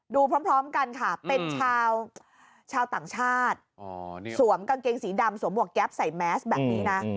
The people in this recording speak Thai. ดูพร้อมกันค่ะเป็นชาวต่างชาติสวมกางเกงสีดำสวมหวกแก๊ปใส่แมสแบบนี้นะ